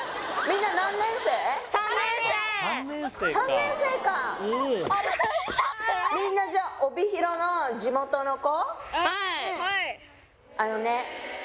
みんなじゃあ帯広の地元の子？